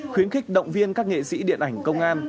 khuyến khích động viên các nghệ sĩ điện ảnh công an